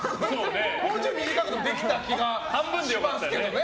もうちょい短くできた気がしますけどね。